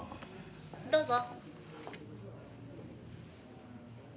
どうぞ。